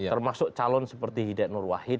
termasuk calon seperti hidayat nur wahid